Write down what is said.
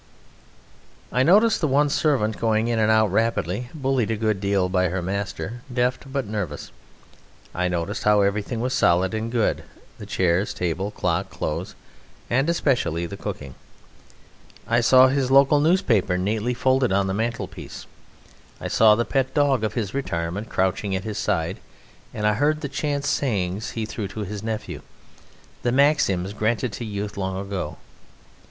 I noticed the one servant going in and out rapidly, bullied a good deal by her master, deft but nervous. I noticed how everything was solid and good: the chairs, table, clock, clothes and especially the cooking. I saw his local newspaper neatly folded on the mantelpiece. I saw the pet dog of his retirement crouching at his side, and I heard the chance sayings he threw to his nephew, the maxims granted to youth long ago.